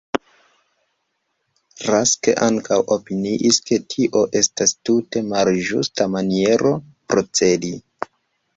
Rask ankaŭ opiniis ke tio estas tute malĝusta maniero procedi.